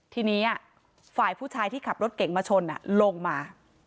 ทีนี้ฝ่ายผู้ชายที่ขับรถเก่งมาชนลงมา